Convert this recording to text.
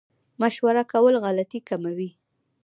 مشوره کول غلطي کموي